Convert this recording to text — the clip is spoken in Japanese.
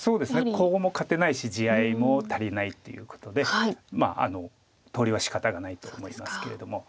コウも勝てないし地合いも足りないということでまあ投了はしかたがないと思いますけれども。